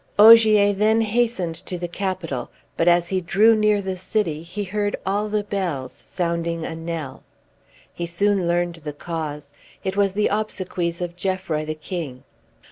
Ogier then hastened to the capital, but as he drew near the city he heard all the bells sounding a knell. He soon learned the cause; it was the obsequies of Geoffroy, the King.